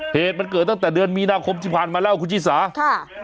เหตุมันเกิดตั้งแต่เดือนมีนาคมที่ผ่านมาแล้วคุณชิสาค่ะ